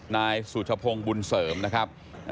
นายสุชพงศ์บุญเสริมนะครับ